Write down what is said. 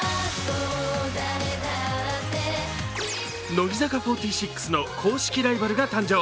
乃木坂４６の公式ライバルが誕生。